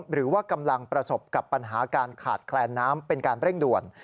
หรือว่ากำลังประสบกับปัญหาการขาดแคลนน้ำเป็นการเร่งด่วน